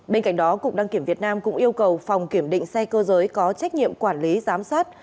bên cạnh đó cục đăng kiểm việt nam cũng yêu cầu phòng kiểm định xe cơ giới có trách nhiệm quản lý giám sát